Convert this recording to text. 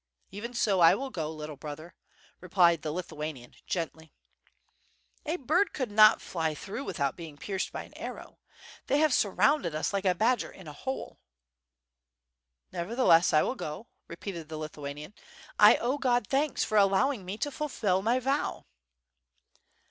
"Even so I will go, little brother," replied the Lithuanian gently. "A bird could not fly through without being pierced by an arrow. They have surrounded us like a badger in a hole." "Nevertheless, I will go," repeated the Lithuanian. "I owe God thanks for allowing me to fulfill my vow."